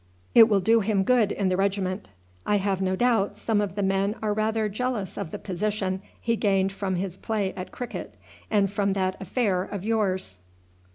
It will do him good in the regiment. I have no doubt some of the men are rather jealous of the position he gained from his play at cricket, and from that affair of yours."